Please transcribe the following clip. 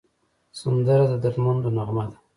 سندره د دردمندو نغمه ده